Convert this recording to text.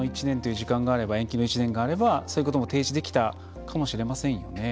この延期の１年があればそういうことも提示できたかもしれませんよね。